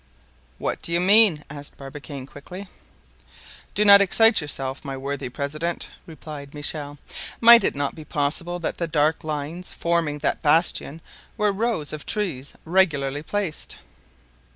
"What do you mean?" asked Barbicane quickly. "Do not excite yourself, my worthy president," replied Michel; "might it not be possible that the dark lines forming that bastion were rows of trees regularly placed?"